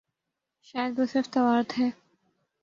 شاید وہ صرف توارد ہے۔